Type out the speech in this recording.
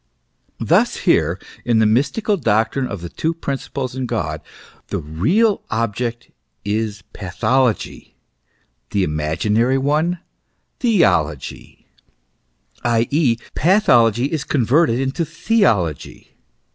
Thus here, in the mystical doctrine of the two principles in God, the real object is pathology, the imaginary one, theology ; i.e., pathology is converted into theology.